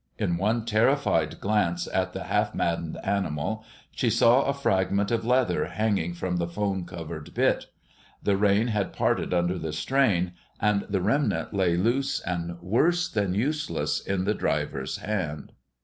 In one terrified glance at the half maddened animal she saw a fragment of leather hanging from the foam covered bit. The rein had parted under the strain, and the remnant lay loose and worse than useless in the driver's hand.